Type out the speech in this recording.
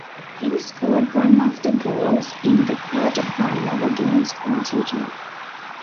He scored one of the goals in the quarter final against Algeria.